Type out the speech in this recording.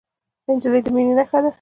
نجلۍ د مینې نښه ده.